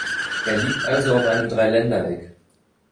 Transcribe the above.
Er liegt also auf einem Dreiländereck.